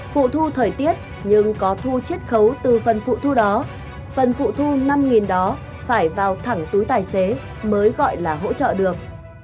phụ thu thời tiết nhưng có thu chiết khấu từ phần phụ thu đó phần phụ thu năm đó phải vào thẳng túi tài xế mới gọi là hỗ trợ được